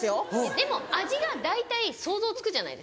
でも味が大体想像つくじゃないですか。